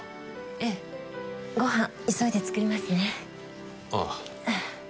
ええご飯急いで作りますねああ